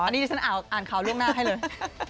อันนี้ดิฉันอ่านข่าวล่วงหน้าให้เลย